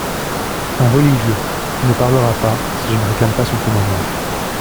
—«Un religieux … qui ne parlera pas, si je ne réclame pas son témoignage.